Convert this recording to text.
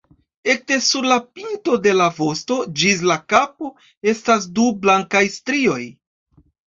Ekde sur la pinto de la vosto ĝis la kapo estas du blankaj strioj.